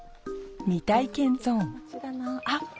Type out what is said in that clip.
未体験ゾーンあ！